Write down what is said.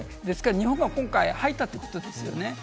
日本が今回入ったということですよね。